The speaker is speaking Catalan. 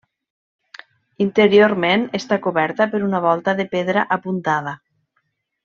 Interiorment està coberta per una volta de pedra apuntada.